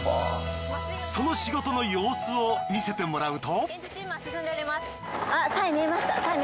その仕事の様子を見せてもらうと。